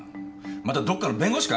またどっかの弁護士か？